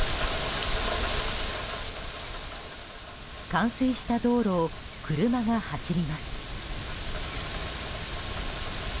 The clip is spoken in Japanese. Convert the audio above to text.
冠水した道路を車が走ります。